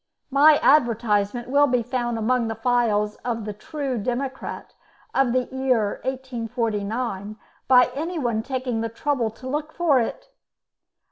My advertisement will be found among the files of the 'True Democrat' of the year 1849 by anyone taking the trouble to look for it.